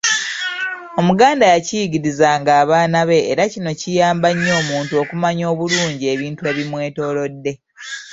Omuganda yakiyigirizanga abaana be era kino kiyamba nnyo omuntu okumanya obulungi ebintu ebimwetoloodde.